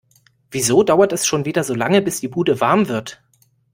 Wieso dauert es schon wieder so lange, bis die Bude warm wird?